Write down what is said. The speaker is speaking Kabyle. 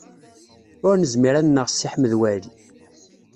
Ur nezmir ad nneɣ Si Ḥmed Waɛli.